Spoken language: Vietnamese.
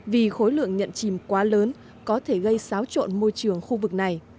vì khối lượng nhận chìm quá lớn có thể gây xáo trộn môi trường khu vực này